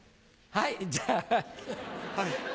はい。